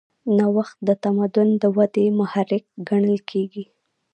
نوښت د تمدن د ودې محرک ګڼل کېږي.